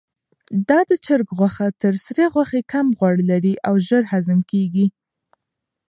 دا د چرګ غوښه تر سرې غوښې کمه غوړ لري او ژر هضم کیږي.